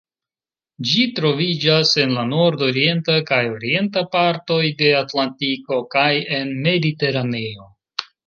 Ĝi troviĝas en la nordorienta kaj orienta partoj de Atlantiko kaj en Mediteraneo.